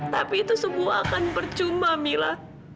tapi itu semua akan bercuma mila